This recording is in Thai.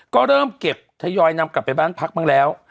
ก็เริ่มเก็บทยอยนำกลับไปบ้านพักบ้างแล้ว